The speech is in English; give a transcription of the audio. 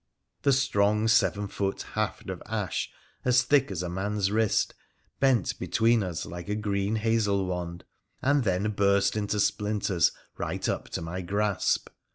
The strong seven foot haft of ash, as thick as a man's wrist, bent between us like a green hazel wand, and then burst into splinters right up to my grasp.